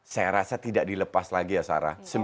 saya rasa tidak dilepas lagi ya sarah